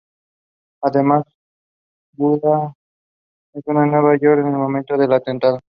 Además, Buda estaba en Nueva York en el momento del atentado.